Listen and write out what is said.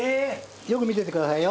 よく見ててくださいよ。